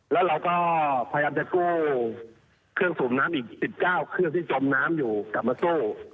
แล้วเราก็พยายามจะกู้เครื่องสูบน้ำอีก๑๙เครื่องที่จมน้ำอยู่กลับมาสู้